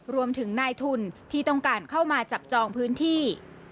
รวมถึงนายทุนที่ต้องการเข้ามาจับจองพื้นที่